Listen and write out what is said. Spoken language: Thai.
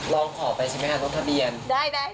ลองขอไปใช่ไหมคะต้องทะเบียน